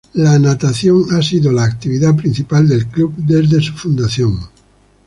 La natación ha sido la actividad principal del club desde su fundación.